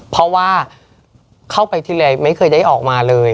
เพราะว่าเข้าไปทีไรไม่เคยได้ออกมาเลย